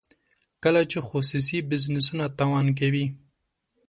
کله چې خصوصي بزنسونه تاوان کوي.